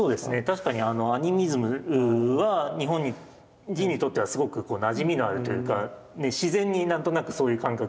確かにアニミズムは日本人にとってはすごくなじみのあるというか自然に何となくそういう感覚がある。